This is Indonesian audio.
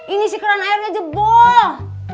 ini si keran airnya jeboh